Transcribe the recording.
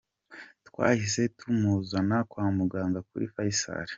Twahise tumuzana kwa muganga kuri Faisal."